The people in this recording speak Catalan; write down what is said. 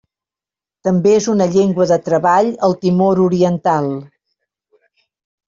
També és una llengua de treball al Timor oriental.